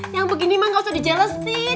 yang begini mah nggak usah dijelestin